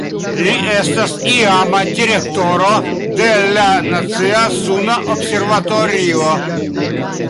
Li estas iama direktoro de la Nacia Suna Observatorio.